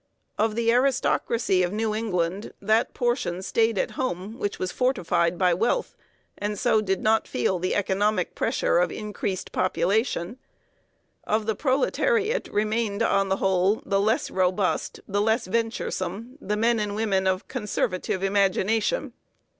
Of the aristocracy of New England that portion stayed at home which was fortified by wealth, and so did not feel the economic pressure of increased population; of the proletariat remained, on the whole, the less robust, the less venturesome, the men and women of conservative imagination.